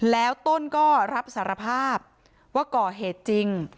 แล้วต้นก็รับสารภาพว่าก่อเหตุจริง